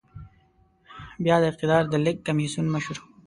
بيا د اقتدار د لېږد کميسيون مشر و.